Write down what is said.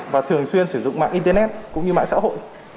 và thường xuyên sử dụng mạng internet cũng như mạng xã hội